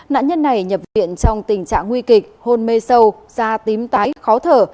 nạn nhân này nhập viện trong tình trạng nguy kịch hôn mê sâu da tím tái khó thở